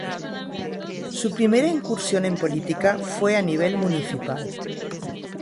Su primera incursión en política fue a nivel municipal.